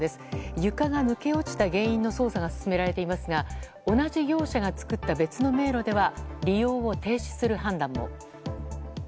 床が抜け落ちた原因の捜査が進められていますが同じ業者が作った別の迷路は利用を停止する判断も。